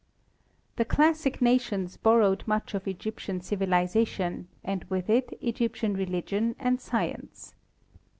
The classic nations borrowed much of Egyptian civiliza tion and with it Egyptian religion and science.